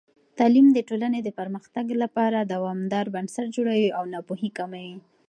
تعلیم د ټولنې د پرمختګ لپاره دوامدار بنسټ جوړوي او ناپوهي کموي.